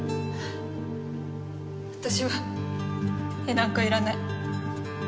私は絵なんかいらない。